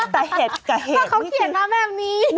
ฉันก็ให้เกียรติโพสต์